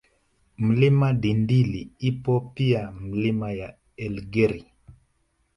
Mlima Dindili ipo pia Milima ya Elgeri